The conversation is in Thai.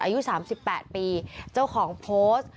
อายุ๓๘ปีเจ้าของโพสต์